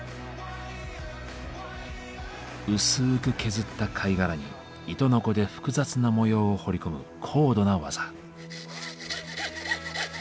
薄く削った貝殻に糸のこで複雑な模様を彫り込む高度な技。